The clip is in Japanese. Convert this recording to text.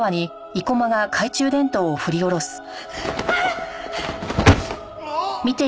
あっ！